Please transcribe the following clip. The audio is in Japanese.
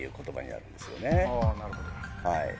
なるほど。